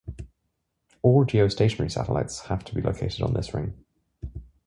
All geostationary satellites have to be located on this ring.